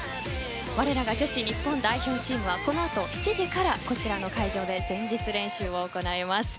我らが女子日本代表チームはこのあと７時からこちらの会場で前日練習を行います。